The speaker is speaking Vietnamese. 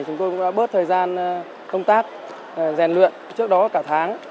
chúng tôi cũng đã bớt thời gian công tác rèn luyện trước đó cả tháng